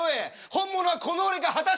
本物はこの俺か果たして。